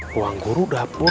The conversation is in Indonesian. ruang guru dapur